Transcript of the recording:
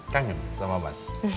kangen sama mas